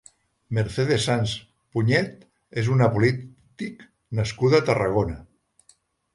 Mercedes Sanz Punyed és una polític nascuda a Tarragona.